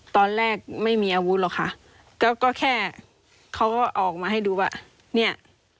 ไม่มีอาวุธหรอกค่ะก็ก็แค่เขาก็ออกมาให้ดูว่าเนี่ย